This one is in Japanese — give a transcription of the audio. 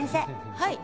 はい。